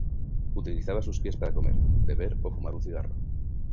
Utilizaba sus pies para comer, beber o fumar un cigarro.